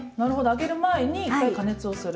揚げる前に１回加熱をする。